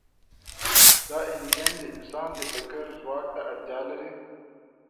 دا انجن د انسان د فکر ځواک ته اړتیا لري.